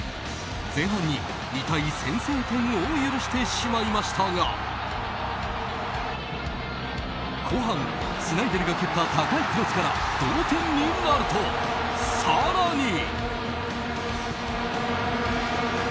前半に痛い先制点を許してしまいましたが後半、スナイデルが蹴った高いクロスから同点になると更に。